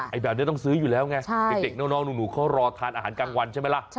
แบบนี้ต้องซื้ออยู่แล้วไงเด็กน้องหนูเขารอทานอาหารกลางวันใช่ไหมล่ะ